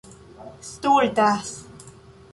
stultas